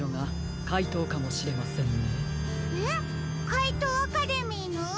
かいとうアカデミーの？